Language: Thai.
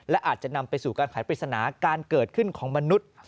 และอาจจะนำไปสู่การแผนปริศนาการเกิดขึ้นของมนุษย์